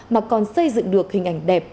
mà còn xây dựng được hình ảnh đẹp